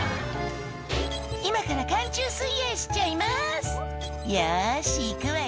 「今から寒中水泳しちゃいますよし行くわよ」